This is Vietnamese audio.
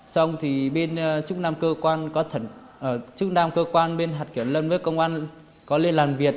xong thì bên chức năng cơ quan bên hạt kiểu lân với công an có lên làm việc